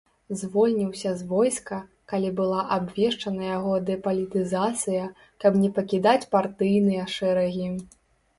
Звольніўся з войска, калі была абвешчана яго дэпалітызацыя, каб не пакідаць партыйныя шэрагі.